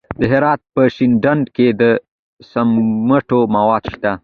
د هرات په شینډنډ کې د سمنټو مواد شته.